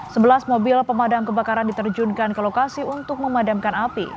sebelas mobil pemadam kebakaran diterjunkan ke lokasi untuk memadamkan api